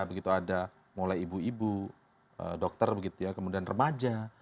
begitu ada mulai ibu ibu dokter begitu ya kemudian remaja